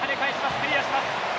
クリアします。